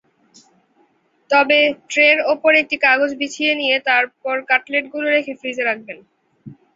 তবে ট্রের ওপর একটি কাগজ বিছিয়ে নিয়ে তারপর কাটলেটগুলো রেখে ফ্রিজে রাখবেন।